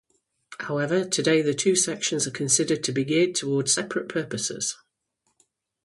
However, today the two sections are considered to be geared toward separate purposes.